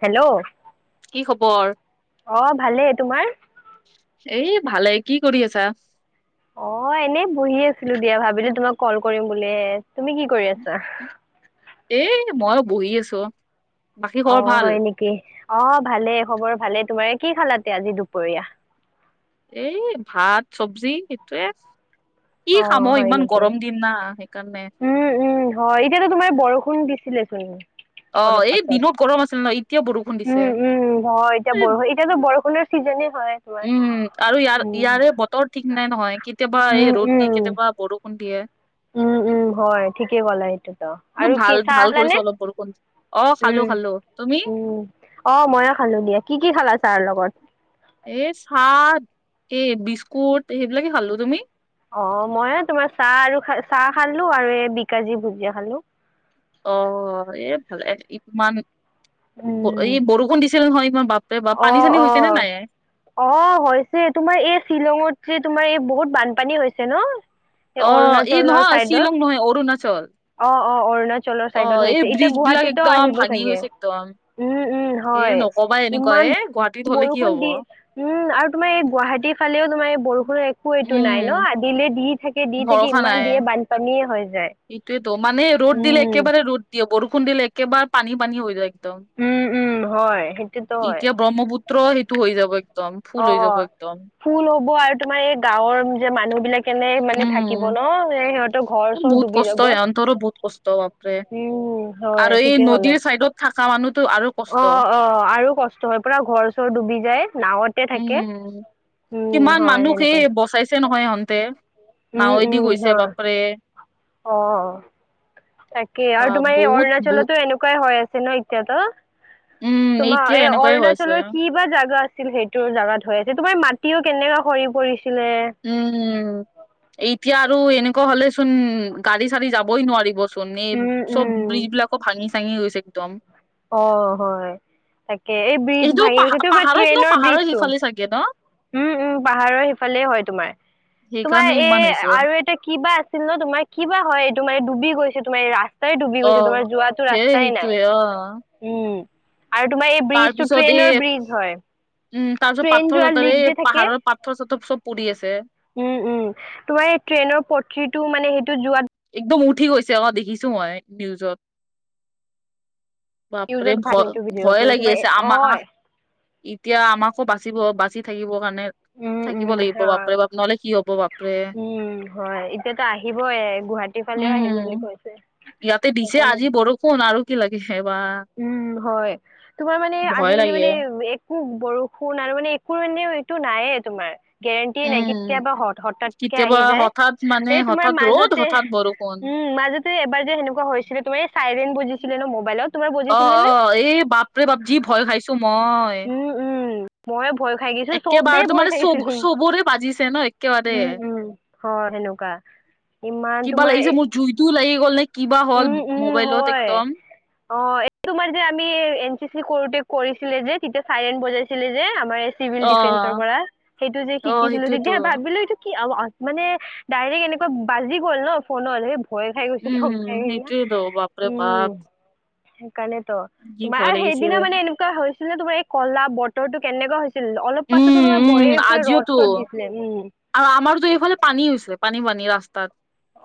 Hello! কি খবৰ? ভালেই তোমাৰ এ ভালে কি কৰি আছা্ অঁ এনেই বহি আছিলো দিয়া ভাবিলো তোমাক কল কৰিম বুলে তুমি কি কৰি আছা? এ মই বহি আছোঁ। অঁ হয় নেকি অ ভালে খবৰ ভালে তোমাৰ কি খালা আজি দুপৰীয়া। এই ভাত চবজি সেইটয়ে কি খাম অ ইমান গৰম। দিম না সেইকাৰণে উমঁ উমঁ হয় এতিয়াতো তোমাৰ বৰষুণ দিছিলেচোন। অ অলপ এই পাছত দিনত গৰম আছিল ন এতিয়া বৰষুণ দিছে। উমঁ উমঁ হয় এতিয়া বৰষ এতিয়য়াতো বৰষুণৰ চিজনে হয়ঁ। উমঁ আৰু ইয়াৰ ইয়াৰে বতৰ ঠিক নাই নহয় কেতিয়াবা এই ৰ'দ দিয়ে কেতিয়াবা বৰষুণ দিয়ে। উমঁ উমঁ। হয়ঁ ঠিকে ক'ল সেইটোতো কিন্তু আৰু ভাল কি চাহ ভাল খালা কৰিছে নে? অলপ বৰষুণ অ খালো খালো। তুমি? উম অঁ ময়ে খালো দিয়া কি কি খালা ছাহৰ লগত? এই চাহ এই বিস্কুট সেইবিলাকে খালো তুমি? অঁ মই তোমাৰ চাহ আৰু চাহ খালো আৰু এই বি কাজি ভুজিয়া খালো। অঁ এ ভালে ই ইমান ই বৰষুণ দিছিল নহয় ইমান বাপ পানী অঁ চানী হৈছে নে অঁ! নাই? অঁ হৈছে তোমাৰ এই শ্বিলঙত যে তোমাৰ এই বহুত বানপানী হৈছে ন। এই অঁ এই অৰুণাচলৰ নহয় শ্বিলং নহয় অৰুণাচল। অঁ অঁ অৰুণাচলৰ অ চাইদত এই হৈছে এতিয়া ব্ৰিজ বিলাক গুৱাহাটীতো একদম আহিব ভাঙি চাগে গৈছে একদম উমঁ উমঁ। এ নকবা এনেকুৱা এ গুৱাহাটীত হ'লে কি হ'ব? উমঁ আৰু তোমাৰ এই গুৱাহাটীৰ ফালেও তোমাৰ বৰষুণৰ একো এইটো নাই ন উম দিলে দি। থাকে দি থাকে ইমান দিয়ে বানপানীয়ে হৈ যায়। এইটোৱেতো মানে ৰ'দ দিলে উম, একেবাৰে ৰ'দ দিয়ে বৰষুণ দিলে একেবাৰে পানী-পানী হৈ যায়। একদম উম, উম, হয় সেইটোতো হয় এতিয়া ব্ৰহ্মপুত্ৰ সেইটো হৈ যাব। একদম ফুল হৈ যাব অ'। একদম। ফুল হ'ব আৰু তোমাৰ এই গাঁৱৰ যে মানুহ বিলাক এনে মানে থাকিব উম ন সিহঁতক। বহুত কষ্ট এ অন্তৰো বহুত কষ্ট বাপৰে, উম, হয় আৰু এই নদীৰ চাইডত থকা মানুহতো আৰু- কষ্ট অঁ অঁ আৰু কষ্ট হয় পুৰা ঘৰ চৰ ডুবি যায় নাৱত। উমঁ কিমান মানুহ সেই সেনেকুৱা বচাইছে নহয় ইহঁতে। নাৱেদি গৈছে বাপৰে। অঁ তাকে বা আৰু তোমাৰ এই বহুত বহুত অৰুণাচলতো এনেকুৱাই হৈ আছে ন উম এতিয়াতো। তোমাৰ এতিয়া এই এনেকুৱাই হৈ আছে অৰুণাচলৰ কি বা জাগা আছে ছিল সেইটোৰ জাত হৈ আছে, তোমাৰ মাটিও কেনেকা সৰি পৰিছিলে। উমঁ, এতিয়া আৰু এনেকুৱা হলে চোন গাড়ী-চাৰী যাবই নোৱাৰিব পনীৰ উম চব উম। ব্ৰিজবিলাকো ভাঙি-চাঙি গৈছে একদম। অঁ হয়। তাকে এই ব্ৰিজ এইটো ভাঙি পাহ গৈছে, বা পাহাৰত ন ট্ৰেইনৰ পাহাৰৰ ব্ৰিজটো। সিফালে চাগে ন উমঁ উমঁ পাহাৰৰ সিফালে হয় তোমাৰ। তোমাৰ সেইকাৰণে এ ইমান হৈছে আৰু এটা কিবা আছে? আছিল ন তোমাৰ কিবা হয় এইটো মানে ডুবি গৈছে তোমাৰ ৰাস্তাই ডুবি অ গৈছে তোমাৰ যোৱাতটো সেই ৰাস্তাই নাই। সেইটোয়ে অ উমঁ, আৰু তোমাৰ এই ব্ৰিজটো ট্ৰেইনৰ ব্ৰিজ হয়। উমঁ, তাৰ পিছত ট্ৰেইন পাথৰ যোৱা চথৰে লিক এই যে পাহাৰৰ পাথৰ- চথৰ চব পৰি আছে। উমঁ উমঁ তোমাৰ এই ট্ৰেইনৰ পথিটো মানে সেইটো যোৱাত। একদম উঠি গৈছে অঁ দেখিছো মই নিউজত। বাপৰে নিউজত ভাল সেইটো ভিডিঅ'টো ভয়-ভয়ে তোমাৰ লাগি আছে আমা। অ' এতিয়া আমাকো বাছিব, বাছি থাকিবৰ কাৰণে। উম উম থাকিব লাগিব হয়। বাপেৰে বাপ নহ'লে কি হব, বাপেৰে। উম হয়, এতিয়াতো আহিবই গুৱাহাটী। ফালেও আহিব উম, বুলি কৈছে ইয়াতে দিছে সেইকাৰণে আজি বৰষুণ আৰু কি লাগে সে বা। উম, হয় তোমাৰ মানে ভয় আজিকালি লাগে মানে এক। উব বৰষুণ আৰু মানে একো মানে এইটো নাইয়ে তোমাৰ। গেৰেণ্টিয়ে নাই উম কেতিয়াবা হঠাৎকে কেতিয়াবা আহি যায়, হঠাৎ মানে এই তোমাৰ হঠাৎ ৰ'দ মাজতে হঠাৎ বৰষুণ উম মাজতে। যে এবাৰ যে সেনেকুৱা হৈছিলে তোমাৰ এই চাইৰেন বজিছিলে ন মোবাইলত,। তোমাৰ বজিছিলে নে অ-অ এই বাপ ৰে বাপ যি ভয় খাইছো মই। উম উম। মইয়ে ভয় খাই গৈছো চবেই একেবাৰতো ভয় মানে খাই গৈছে চব চোন চবৰে বাজিছে ন একেবাৰে উম উম। অহ, সেনেকুৱা ইমান কিবা তোমাৰ লাগিছে এ, মোৰ জুইতো লাগি গ'ল নে কিবা হ'ল উম উম মোবাইলত হয় একদম। অ এই তোমাৰ যে আমি এন চি চি কৰোঁতে কৰিছিলে যে তেতিয়া চাইৰেট বুজাইছিলে যে আমাৰ,। চিভিল অ ডিফেন্সৰ পৰা সেইটো যে অ শিকিছিলো তেতিয়া সেইটোয়েতো ভাবিলো এইটো কি আৱাজ। মানে ডাইৰেক্ট এনেকুৱা বাজি গ'ল ন ফোনত হে ভয় খাই গৈছো চব,। উম, সেই সেইটোয়েতো বাপৰে বাপ উম, সেইকাৰনেতো কি ভয় তোমাৰ লাগিছিল। সেইদিনা মানে এনে। এনেকুৱা হৈছিলে তোমাৰ এই কলা বতৰ টো কেনেকুৱা হৈছিল, অলপ পাছতো উম, তোমাৰ উম, বয়ে পুৰা ৰদ আজিওতো চদ দিছিল। দিছিলে উম'। আৰু আমাৰতো এইফালে পানী হৈছিলে পানী- পানী ৰাস্তাত।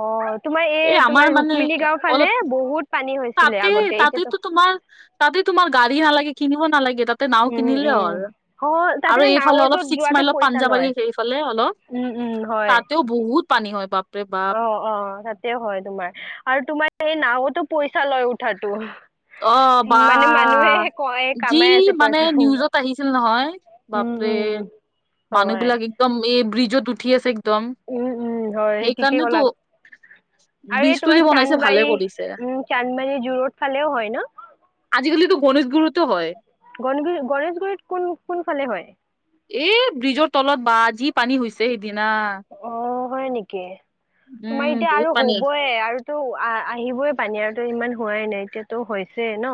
অহ, তোমাৰ এই তোমাৰ ৰুক্মিণী গাওঁ ফালে বহুত। পানী হৈছিলে তাতেই, আগতে তাতেইতো এতিয়াতো তোমাৰ তাতেই তোমাৰ গাড়ী নালাগে কিনিব নালাগে তাতে নাও উম কিনিলে উম হ'ল। হয় তাতে ন আৰু এইফালে অলপ নাৱৰটোত ছিক্স যোৱাটো মাইলৰ পইচা লয় পাঞ্জাৱাৰী সেইফালে অলপ। উম উম হয়। তাতেও বহুত পানী হয় বাপৰে বা। অ অ তাতে হয় তোমাৰ আৰু তোমাৰ সেই নাওতো পইচা লৈ উঠাটো। অহ বা, মানে মানুহে কয় যি কামাই আছে মানে পইচা নিউজত আহিছিল নহয়। উম বাপৰে, উম হয় মানুহবিলাক একদম এই ব্ৰিজত উঠি আছে। দম, উম উম হয় সেই ঠিকেই সেইকাৰনে তো। ক'লা ব্ৰিজ টো যে বনাইছে ভালে কৰিছে। চানমাৰী জোৰোড ফালেও হয় ন। আজিকালিটো গণেশ গুৰুতো হয়। গণগুৰি গণেশগুৰিত কোন কোন ফালে হয়? এ ব্ৰিজৰ তলত বা যি পানী হৈছে সেইদিনা! অ, হয় নেকি তোমাৰ উম এতিয়া বহুত আৰু পানী হ'বয়ে আৰু। তো' আহিবই পানী আৰু ইমান হোৱাই নাই এতিয়াতো হৈছে ন,।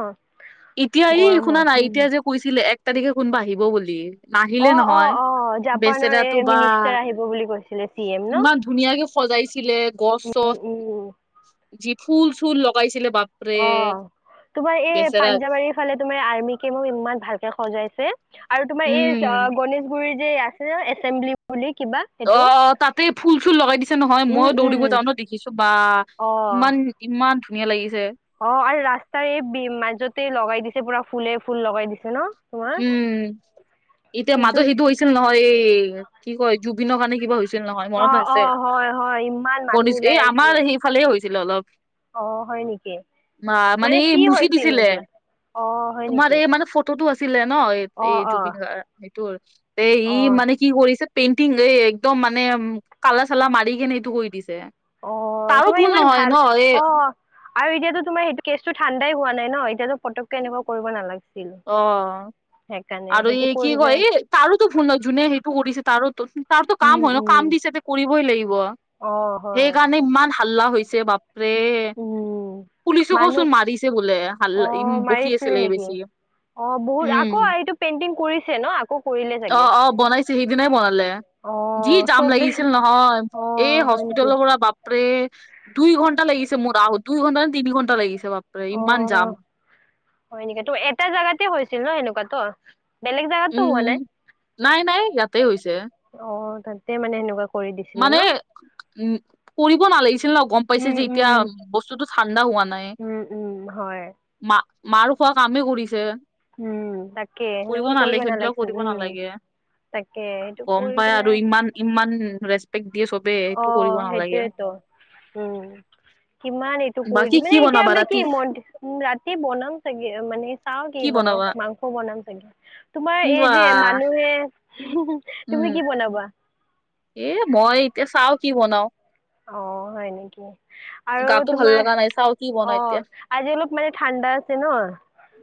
এতিয়া এই গৰমৰ শুনা নাই উম। এতিয়া যে কৈছিলে এক তাৰিখে কোনবা আহিব বুলি,। নাহিলে অ অ নহয় অ জাপানৰ এই বেচেৰাটো বা মিনিষ্টাৰ আহিব বুলি কৈছিলে চি এম ন ইমান। ধুনীয়াকে সজাইছিলে গছ উম চছ উম যি ফুল‌ চুল লগাইছিলে বাপ। অহ তোমাৰ এই পাঞ্জাৱাৰী। ফালে তোমাৰ আৰ্মি কেম্পৰ ইমান ভালকে সজাইছে আৰু তোমাৰ এই অ উম গণেশ গুৰিত। যে আছে নহয় এচেম্বলি বুলি কিবা। সেইটো অহ তাতে ফুল-চুল লগাই দিছে নহয় উম মই দৌৰিব উম যাওঁ ন দেখিছো বা, অ ইমান। ইমান ধুনীয়া লাগিছে। অ আৰু ৰাস্তাৰে এই বি মাজতে লগাই দিছে পুৰা ফুলে ফুল লগাই দিছে ন। তোমাৰ উম, এতিয়া মাজত কিন্তু সেইটো হৈছিল নহয়, এই কি কয় জুবিনৰ কাৰণে কিবা হৈছি কৰিছিল নহয় মনত অঁ অঁ আছে, হয় হয় ইমান মানুহ ওলাই এই আমাৰ আহিছিলে সেইফালে হৈছিলে অলপ। অঁ হয় নেকি মা মানে এই কি মুচি হৈছিল দিছিলে, সেইটোত অঁ হয় তোমাৰ নেকি এই মানে ফটো টো আছিলে ন এই এই অঁ অঁ জুবিন গাৰ্গৰ এইটো অঁ এই- কি কৰিছে পেইণ্টিং এই একদম মানে উম কালা চালা মাৰি কেনে এইটো কৰি দিছে। অ তাৰো তোমাৰ ভুল ইমান নহয় ন ভাল, এই অ। আৰু এতিয়াতো তোমাৰ সেইটো কেছটো ঠাণ্ডাই হোৱা নাই ন এয়াতো পটক কে তেনেকুৱা কৰিব নালাগিছিলে, অ সেইকাৰণে সেইটো কৰিলে। তাৰতো ভুল নহ যোনে সেইটো কৰিছে তাৰো তু তাৰতো কাম হয় ন কাম দিছে ত কৰিবই লাগিব। অঁ হয় সেইকাৰণে ইমান হাল্লা হৈছে বাপ ৰে, উম পুলিচো মানুহ কচোন মাৰিছে বোলে হাল্ল- অঁ মাৰিছিলে নেকি, অ বহুত উম। আকৌ এইটো পেইণ্টিং কৰিছে ন আকৌ কৰিলে। অ চাগে অ বনাইছে সিদিনাই বনালে। যি অঁ যাম চবে লাগিছিল নহয়, এই অঁ হয় নেকি হস্পিতালৰ পৰা বাপ বাপৰে, দুই ঘণ্টা লাগিছে মোৰ আৰু দুই ঘণ্টা নে তিনি ঘণ্টা লাগিছে বাপৰে অ ইমান যাম। হয় নেকি ত এটা জেগাতে হৈছিল ন এনেকুৱাতো। বেলেগ জেগাতটো হোৱা নাই, উম। নাই নাই ইয়াতে হৈছে অ তাতে মানে এনেকুৱা। মানে, উম, কৰিব নালাগিছিল ন গম পাইছে উম যে এতিয়া, উম বস্তুতটো ঠাণ্ডা হোৱা নাই। উম উম হয় মা মাৰ খোৱা কামেই কৰিছে। তাকে কৰিব সেনেকুৱা নালাগে থাকিলেও নালাগিছিল কৰিব উম নালাগে। তাকে সেইটো গম কৰি পাই কিনে আৰু ইমান ইমান ৰেচপেক্ দিয়ে চব। অ সেইটোৱেটো, উম। কিমান এইটো কৰি বাকী দি কি মানে এতিয়া বনাবা আমি ৰাতি কি ম ৰাতি বনাম চাগে মানে- চাও কি বনাও মাংস বনাম চাগে, তোমাৰ এই বা যে মানুহে- হমহ উম তুমি কি বনাবা। এ মই এ চাও কি বনাও। অ হয় নেকি। আৰু গাতো ভাল তোমাৰ, লগা নাই চাও কি অ, বনাও এতিয়া আজি অলপ মানে ঠাণ্ডা আছে ন।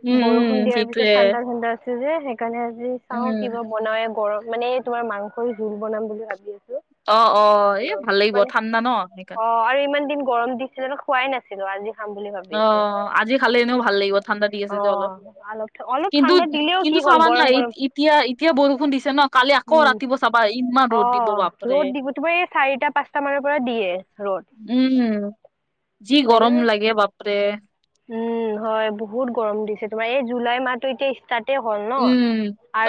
উম উম বৰষুণ দিয়াৰ পিছত সেইটোয়ে ঠাণ্ডা ঠাণ্ডা আছে যে সেইকাৰণে আজি চাও উম কিবা- বনায়ে গৰম মানে তোমাৰ মাংসৰ জোল বনাম বুলি ভাবি আছো। অ' অ' এ অলপ ভাল লাগিব মানে ঠাণ্ডা ন সেইকাৰণ। অ' আৰু ইমান দিন গৰম দিছিলে খোৱাই নাছিলো আজি। খাম বুলি ভাবি আছো অ' আজি খালে এনেও ভাল লাগিব ঠাণ্ডা দি আছে অ যে অলপ। অলপ অলপ কিন্তু ঠাণ্ডা দিলেও কি কিন্তু হ'ল চাবা গৰম নাই গৰম এতিয়া এতিয়া বৰষুণ দিছে, ন কালি আকৌ উম ৰাতিপুৱা চাবা ইমান অ ৰ'দ দিব বাপ ৰ'দ দিব তোমাৰ এই চাৰিটা পাঁচটা মানৰ পৰা দিয়ে ৰ'দ। উম, যি হয় ন গৰম লাগে বাপৰে। উম হয় বহুত গৰম দিছে তোমাৰ এই জুলাই মাহটো এতিয়া ষ্টাৰ্ট তে হ'ল ন, উম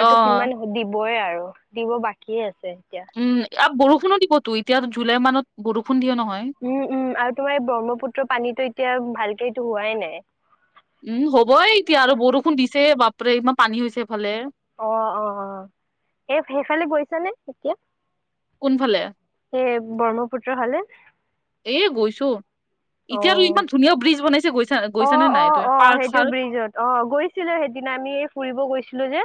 অ তো কিমান দিবই আৰু দিব বাকিয়ে আছে এতিয়া। উম আৰু বৰষুণো দিবতো এতিয়া জুলাই মানত বৰষুণ দিয়ে নহয়। উম উম আৰু তোমাৰ এই ব্ৰহ্মপুত্ৰৰ পানীটো এতিয়া ভালকে এইটো হোৱাই নাই। উম হ'বই এতিয়া আৰু বৰষুণ দিছে বাপৰে ইমান পানী হৈছে এফালে। অ অ অ এ সেইফালে গৈছ নে এতিয়া। কোনফালে? সেই ব্ৰহ্মপুত্ৰ ফালে। এ গৈছো। এতিয়াতো অ'। ইমান ধুনীয়া ব্ৰিজ, বনাইছে গৈছা গৈছানে অ', নাই অ', তুমি অ' পাৰ্ক সেইটো চাৰ্ক? ব্ৰিজত অ' গৈছিলো সেইদিনা আমি ফুৰিব গৈছিলো যে।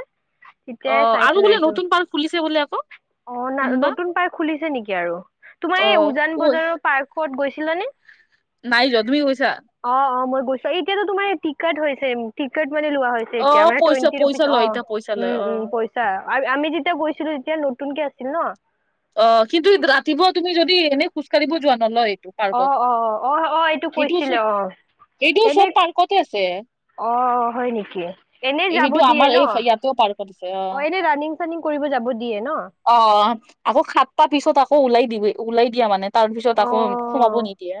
তেতিয়াই অ' আৰু চাইছিলো বোলে এইটো। নতুন পাৰ্ক, খুলিছে বোলে আকৌ? অ ন কোনবা নতুন পাৰ্ক, খুলিছে নেকি আৰু তোমাৰ অ এই উজান কৈ বজাৰত? পাৰ্কত গৈছিল নে? নাই যোৱা তুমি গৈছা? অ' অ' মই গৈছো এই এতিয়াতো তোমাৰ টিকট হৈছে টিকট মানে লোৱা হ'য়। অ তেতিয়া মানে পইচা টুৱেণ্টি, পইচা ৰুপিচ অ লয় এতিয়া পইচা লয় উম অ উম কৈছে। আচ্ছা আমি যেতিয়া গৈছিলো তেতিয়া নতুনকে আছিল ন। অ কিন্তু ৰাতিপুৱা তুমি যদি এনেই খোজ কাঢ়িব যোৱা নলয় এইটো। অ পাৰ্কত, অ অ অ এইটো সেইটো কৈছিলে চব অ সেইটো এনে চব পাৰ্কতে আছে। অ হয় নেকি, এনে যাব দিয়ে ন। তাতেও পাৰ্কত আছে। অ এনে ৰাণিং চানিং কৰিব যাব দিয়ে ন। অ আকৌ সাতটা পিছত আকৌ ওলাই দিবি ওলাই দিয়া মানে তাৰ পিছত আকৌ সোমাব অ নিদি এতিয়া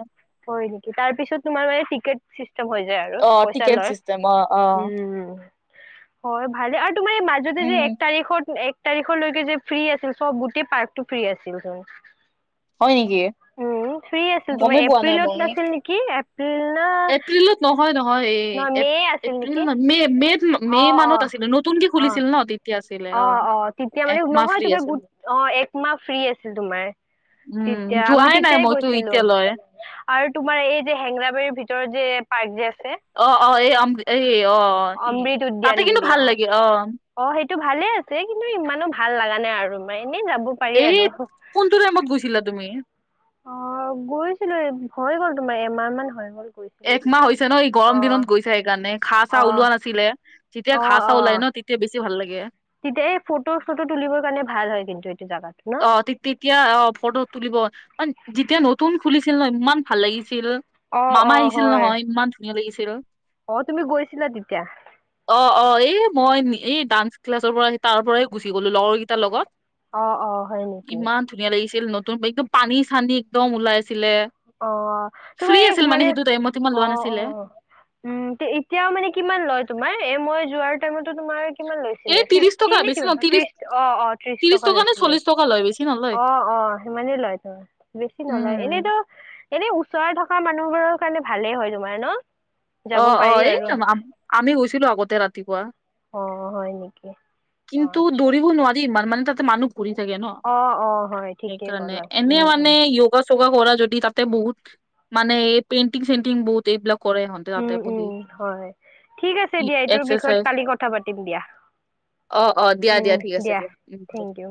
হয় নেকি?, তাৰ পিছত তোমাৰ মানে টিকেট ছিচ সব হৈ যায় আৰু অ পইচা টিকেট লয়, চিষ্টেম অ অ উম হয় ভালে আৰু তোমাৰ এই মাজতে যে উম এক তাৰিখত এক তাৰিখলৈকে যে ফ্ৰী, আছিল চব গোটেই পাৰ্কতটো, ফ্ৰী আছিল। হয় নেকি গমেই পোৱা নাই? তত মই নাছিল নেকি? এপ্ৰিল না এপ্ৰিলত নহয় নহয়। এই নহয় মে' আছিল এপ্ৰিল নেকি? ন মে মে মে' অ', মানত অ', আছিলে নতুনক অ', খুলিছিল ন তে অ' অ' তেতিয়া মানে নহয় তোমাৰ আছিল গোট অ' এক মাহ ফ্ৰী আছিল তোমাৰ। উম তেতিয়া আমি যোৱাই নাই তেতিয়াই মইতো গৈছিলো। এতিয়ালৈ আৰু তোমাৰ এই যে হেংৰাবাৰীৰ, ভিতৰত যে পাৰ্ক যে আছে অ' অ' এম এ অ' অ' এ অমৃত তাতে উদ্যান কিন্তু বুলি ভাল লাগে। অ' অ' সেইটো ভালে আছে। কিন্তু ইমানো ভাল লগা নাই আৰু ম এনেই যাব পাৰি এই আৰু। কোনটো টাইমত গৈছিলা তুমি? অ' গৈছিলো এই হৈ গ'ল তোমাৰ এমাহ মান হৈ গ'ল। গৈছিল একমাহ হৈছে ন, এই গৰম দিনত গৈছো সেইকাৰণে ঘাঁহ, চাহ অ', ওলোৱা নাছিলে যেতিয়া ঘাঁহ, চাহ ওলাই ন তেয়া তেতিয়া বেছি ভাল লাগে। তেতিয় ফটো ফটো তুলিবৰ কাৰণে ভাল হয় কিন্তু এইটো জোগাত। অ' তি তি তি এতিয়া অ ফটো তুলিব যেতিয়া নতুন খুলিছিল ন ইমান ভাল লাগিছিল। অ মামা অ আহিছিল হয়। নহয়, ইমান ধুনীয়া লাগিছিল। অ তুমি গৈছিলা তেতিয়া? অ' অ' এই মই এই ডান্স, ক্লাছৰ পৰা আহি তাৰ পৰাই গুচি গ'লো লগৰ কেইটাৰ লগত। অ' অ' হয় নেকি? ইমান ধুনীয়া লাগিছিল নতুন একদম পানী চানী একদম ওলাই আছিলে। অ' ফ্ৰী তোমাৰ এই আছিল মানে সেইটো টাইমত ইমান অ' লোৱা নাছিলে অ' উম এতিয়াও মানে কিমান লয় তোমাৰ মই যোৱাৰ টাইমতো তোমাৰ কি এই লৈছিলে ত্ৰিশ টকা ফিফটি, নে বেছি কি ন ত্ৰিশ অ' অ' ত্ৰিশ টকা নে লৈছিলে চল্লিশ টকা লয় বেছি নলয় অ' অ' সিমানেই লয়তো বেছি নলয় উম এনেইতো এনে ওচৰে থকা মানুহবোৰৰ কাৰণে ভালেই হয় তোমাৰ ন? যাব অ', পাৰি অ', এই আৰু আমি গৈছিলো আগতে ৰাতিপুৱা। অ হয় নেকি? অ কিন্তু আচ্ছা। দৌৰিব নোৱাৰি মানে তাতে মানুহ পৰি থাকে ন অ', অ', হয় ঠিকেই সেইকাৰণে। ক'লা এনে উম, মানে উম, ইওগা চৌওগা কৰা যদি তাতে বহুত মানে এই পেইণ্টিং চেণ্টিং বহুত এইবিলাক কৰে। তাতে উম, বহি উম, হয় ঠিক আছে দিয়া এইটোৰ বিষয়ত এক্সাৰচাইজ কালি কথা পাতিম দিয়া। অ', অ', দিয়া দিয়া উম, ঠিক আছে দিয়া। Thank U.